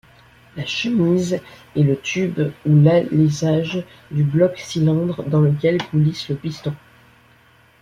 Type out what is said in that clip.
La chemise est le tube ou l’alésage du bloc-cylindres dans lequel coulisse le piston.